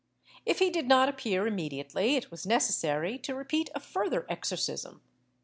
If he did not appear immediately, it was necessary to repeat a further exorcism.